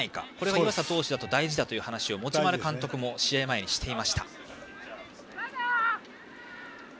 湯浅投手はここが大事だと持丸監督も試合前にしていました。